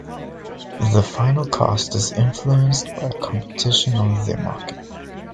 The final cost is influenced by competition on the market.